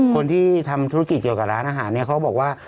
คนที่ทำธุรกิจเกี่ยวกับร้านอาหารเนี่ยเขาบอกว่า